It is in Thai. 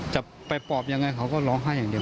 จะไปปอบยังไงเขาก็ร้องไห้อย่างเดียว